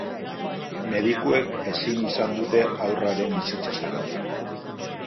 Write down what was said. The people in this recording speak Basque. Medikuek ezin izan dute haurraren bizitza salbatu.